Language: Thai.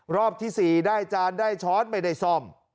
รอบที่๔ได้จานได้ช้อนไม่ได้ซ่อม